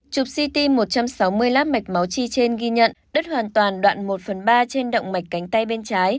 chụp ct một trăm sáu mươi lát mạch máu chi trên ghi nhận đứt hoàn toàn đoạn một phần ba trên động mạch cánh tay bên trái